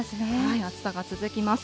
暑さが続きます。